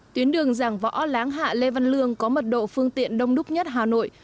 tuyến đường giảng võ láng hạ lê văn lương có mật độ phương tiện đông đúc nhất hà nội